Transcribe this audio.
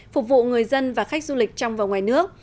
phục vụ người dân và khách du lịch trong và ngoài nước